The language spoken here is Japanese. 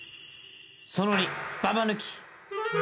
その２ババ抜き。